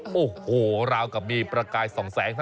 เปลกราบกับมีประกายสองแสง